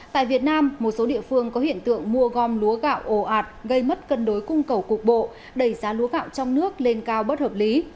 tại việt nam một số địa phương có hiện tượng mua gom lúa gạo ồ ạt gây mất cân đối cung cầu cục bộ đẩy giá lúa gạo trong nước lên cao bất hợp lý